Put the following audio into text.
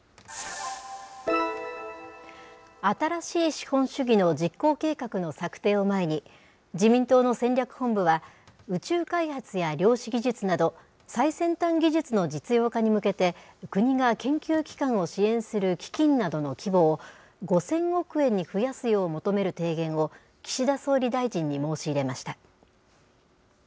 新しい資本主義の実行計画の策定を前に、自民党の戦略本部は、宇宙開発や量子技術など、最先端技術の実用化の向けて、国が研究機関を支援する基金などの規模を５０００億円に増やすよう求める提言を、岸田総理大臣に申し入れました。